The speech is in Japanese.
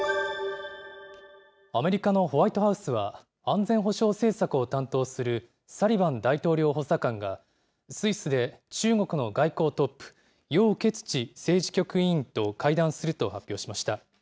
アメリカのホワイトハウスは、安全保障政策を担当するサリバン大統領補佐官が、スイスで中国の外交トップ、楊潔チ政治局委員と会談すると発表しました。